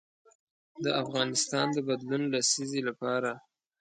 د افغانستان د بدلون لسیزې لپاره.